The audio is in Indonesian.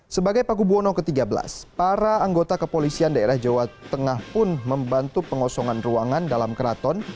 sebagai paku buwono ke tiga belas para anggota kepolisian daerah jawa tengah pun membantu pengosongan ruangan dalam keraton